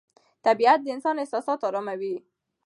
طبیعت د انسان احساسات اراموي